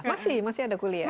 masih masih ada kuliah